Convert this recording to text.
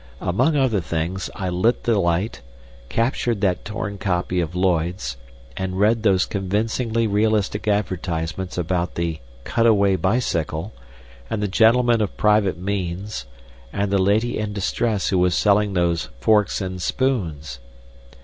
Among other things, I lit the light, captured that torn copy of Lloyd's, and read those convincingly realistic advertisements about the Cutaway bicycle, and the gentleman of private means, and the lady in distress who was selling those "forks and spoons."